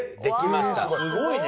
すごいね。